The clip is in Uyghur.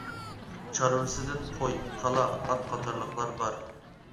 چارۋىسىدىن قوي، كالا، ئات قاتارلىقلار بار.